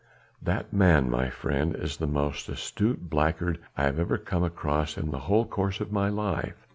"That man, my friend, is the most astute blackguard I have ever come across in the whole course of my life.